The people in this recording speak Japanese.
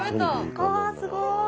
わすごい。